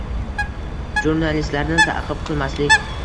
Jurnalistlarni ta'qib qilmaslik